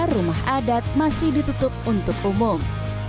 rumah adat masih ditutup untuk umum